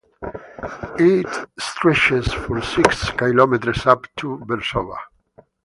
It stretches for six kilometres up to Versova.